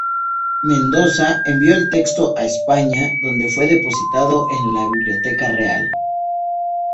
Mendoza envió el texto a España, donde fue depositado en la biblioteca real.